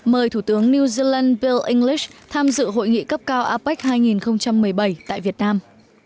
mời thủ tướng new zealand peu english tham dự hội nghị cấp cao apec hai nghìn một mươi bảy tại việt nam